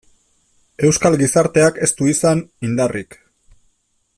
Euskal gizarteak ez du izan indarrik.